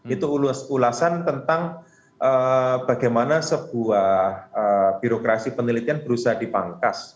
itu ulasan tentang bagaimana sebuah birokrasi penelitian berusaha dipangkas